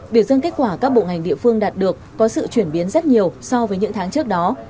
biểu dương kết quả các bộ ngành địa phương đạt được có sự chuyển biến rất nhiều so với những tháng trước đó